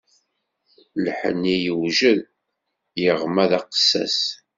Lḥenni yewjed, yeɣma d aqessas.